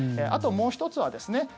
あと、もう１つはですね